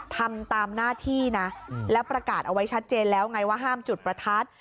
ทำตามหน้าที่นะแล้วประกาศเอาไว้ชัดเจนแล้วไงว่าห้ามจุดประทัด